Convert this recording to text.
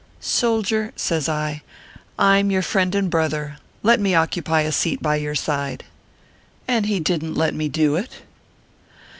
" Soldier/ says I, " I m your friend and brother. Let me occupy a seat by your side." And he didn t let me do it.